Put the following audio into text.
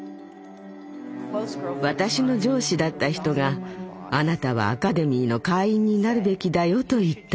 私の上司だった人があなたはアカデミーの会員になるべきだよと言ったの。